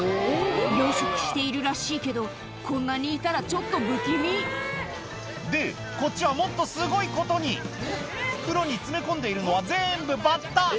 養殖しているらしいけどこんなにいたらちょっと不気味でこっちはもっとすごいことに袋に詰め込んでいるのは全部バッタ！